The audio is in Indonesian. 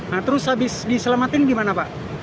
nah terus habis diselamatin gimana pak